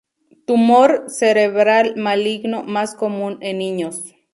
Tumor cerebral maligno más común en niños.